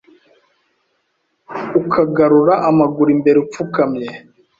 ukagarura amaguru imbere upfukamye